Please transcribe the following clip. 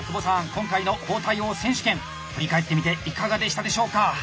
今回の包帯王選手権振り返ってみていかがでしたでしょうか？